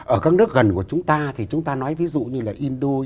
ở các nước gần của chúng ta thì chúng ta nói ví dụ như là indo